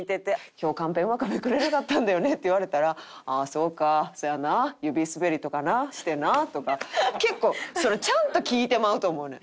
「今日カンペうまくめくれなかったんだよね」って言われたら「ああそうか」「そやなあ指すべりとかなしてな」とか結構ちゃんと聞いてまうと思うねん。